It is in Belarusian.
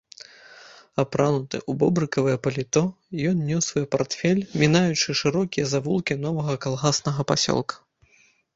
Апрануты ў бобрыкавае паліто, ён нёс свой партфель, мінаючы шырокія завулкі новага калгаснага пасёлка.